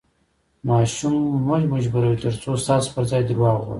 ماشوم مه مجبوروئ، ترڅو ستاسو پر ځای درواغ ووایي.